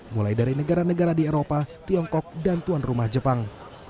mulai dari negara negara di eropa tiongkok dan tuan rumah jepang